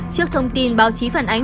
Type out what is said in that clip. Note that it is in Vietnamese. trước thông tin báo chí phản ánh